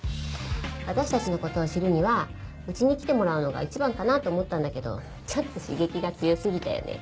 私たちの事を知るにはうちに来てもらうのが一番かなと思ったんだけどちょっと刺激が強すぎたよね。